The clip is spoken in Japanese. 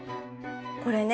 これね